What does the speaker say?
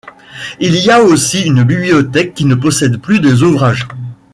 Il y a aussi une bibliothèque qui possèdent plus de ouvrages.